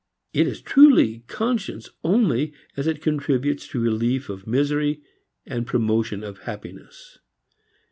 It is truly conscience only as it contributes to relief of misery and promotion of happiness.